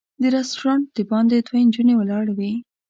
د رسټورانټ د باندې دوه نجونې ولاړې وې.